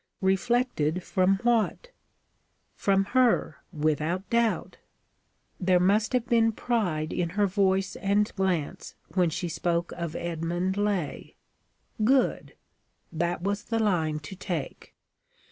Reflected from what? From her, without doubt. There must have been pride in her voice and glance when she spoke of Edmund Laye. Good! That was the line to take.